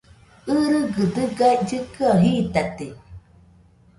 ɨgɨgɨ dɨga llɨkɨaɨ jitate